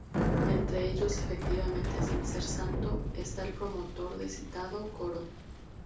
Entre ellos, efectivamente sin ser santo, está el promotor del citado coro.